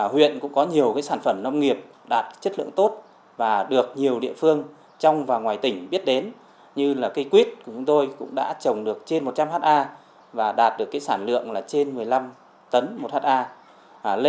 huyện cũng có nhiều sản phẩm nông nghiệp đạt chất lượng tốt và được nhiều địa phương trong và ngoài tỉnh biết đến như cây quýt của chúng tôi cũng đã trồng được trên một trăm linh ha và đạt được sản lượng là trên một mươi năm tấn một ha